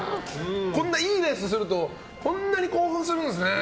こんないいレースするとこんなに興奮するんですね。